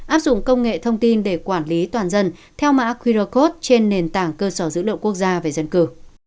áp dụng công nghệ thông tin để quản lý toàn dân theo mã quyrocode trên nền tảng cơ sở dữ lượng quốc gia về dân cử